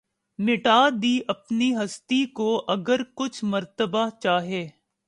مٹا دی اپنی ھستی کو اگر کچھ مرتبہ چاھے